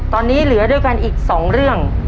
ตอนนี้เหลือด้วยกันอีก๒เรื่อง